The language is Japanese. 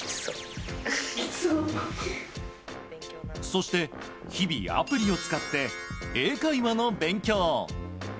そして、日々、アプリを使って英会話の勉強。